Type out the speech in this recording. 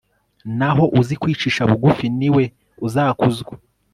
naho uzi kwicisha bugufi, ni we uzakuzwa